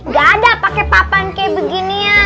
gak ada pake papan kayak beginian